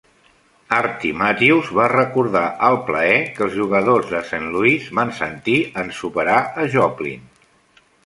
Artie Matthews va recordar el "plaer" que els jugadors de Saint Louis van sentir en superar a Joplin.